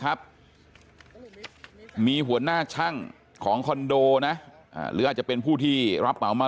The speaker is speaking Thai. ครับมีหัวหน้าช่างของคอนโดนะหรืออาจจะเป็นผู้ที่รับเหมามา